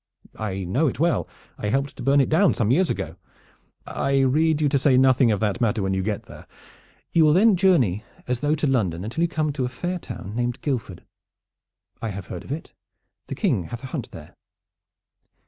"I know it well. I helped to burn it down some years ago." "I rede you to say nothing of that matter when you get there. You will then journey as though to London until you come to a fair town named Guildford." "I have heard of it. The King hath a hunt there."